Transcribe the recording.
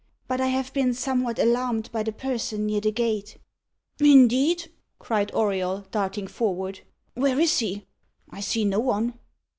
"But I have been somewhat alarmed by the person near the gate." "Indeed!" cried Auriol, darting forward. "Where is he? I see no one."